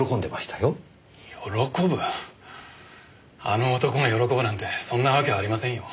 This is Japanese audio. あの男が喜ぶなんてそんなわけはありませんよ。